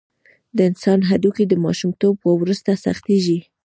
د انسان هډوکي د ماشومتوب وروسته سختېږي.